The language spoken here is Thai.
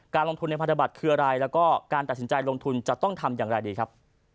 ลงทุนในพันธบัตรคืออะไรแล้วก็การตัดสินใจลงทุนจะต้องทำอย่างไรดีครับ